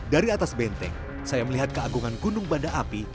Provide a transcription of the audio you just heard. dari atas benteng saya melihat keagungan gunung banda api